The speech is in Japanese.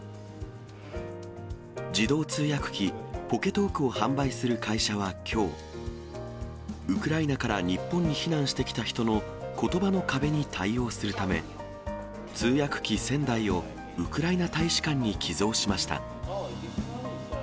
自動通訳機、ポケトークを販売する会社はきょう、ウクライナから日本に避難してきた人のことばの壁に対応するため、通訳機１０００台を、ウクライナ大使館に寄贈しました。